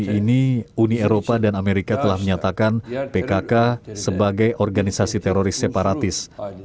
hari ini uni eropa dan amerika telah menyatakan pkk sebagai organisasi teroris separatis